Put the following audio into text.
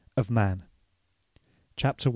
OF MAN CHAPTER I.